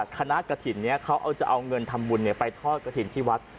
กระถิ่นนี้เขาจะเอาเงินทำบุญไปทอดกระถิ่นที่วัด